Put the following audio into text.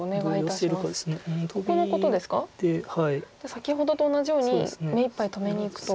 先ほどと同じように目いっぱい止めにいくと。